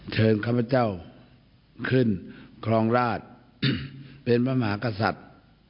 เชิญข้าพเจ้าขึ้นครองราชเป็นพระมหากษัตริย์